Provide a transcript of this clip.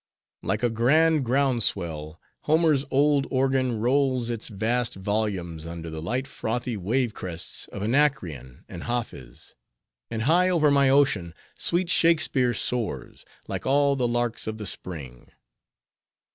Like a grand, ground swell, Homer's old organ rolls its vast volumes under the light frothy wave crests of Anacreon and Hafiz; and high over my ocean, sweet Shakespeare soars, like all the larks of the spring.